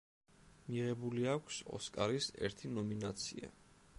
მიღებული აქვს ოსკარის ერთი ნომინაცია.